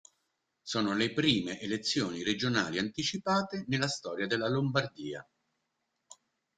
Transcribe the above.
Sono le prime elezioni regionali anticipate nella storia della Lombardia.